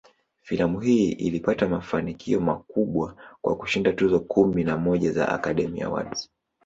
Filamu hii ilipata mafanikio makubwa, kwa kushinda tuzo kumi na moja za "Academy Awards".